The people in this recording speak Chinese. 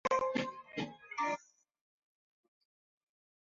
中共中央书记处和中共中央统战部等有关部门领导参加了会议。